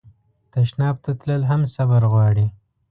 تشناب ته تلل هم صبر غواړي.